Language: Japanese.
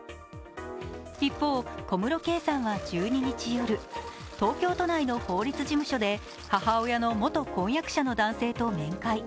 一方、小室圭さんは１２日夜東京都内の法律事務所で母親の元婚約者の男性と面会。